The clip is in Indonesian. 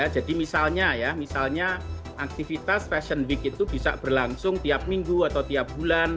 jadi misalnya misalnya aktivitas fashion week itu bisa berlangsung tiap minggu atau tiap bulan